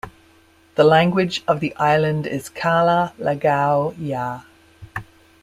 The language of the island is Kala Lagaw Ya.